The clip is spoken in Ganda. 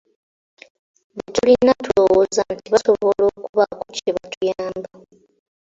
Be tulina tulowooza nti basobola okubaako kye batuyamba.